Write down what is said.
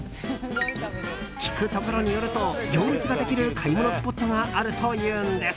聞くところによると行列ができる買い物スポットがあるというんです。